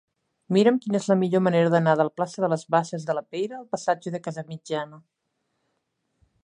Mira'm quina és la millor manera d'anar de la plaça de les Basses de la Peira al passatge de Casamitjana.